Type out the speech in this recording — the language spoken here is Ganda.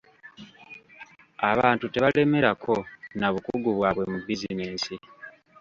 Abantu tebalemerako na bukugu bwabwe mu bizinesi